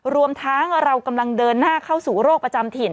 รวมทั้งเรากำลังเดินหน้าเข้าสู่โรคประจำถิ่น